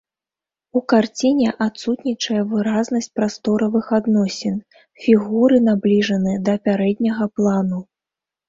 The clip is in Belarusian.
У карціне адсутнічае выразнасць прасторавых адносін, фігуры набліжаны да пярэдняга плану.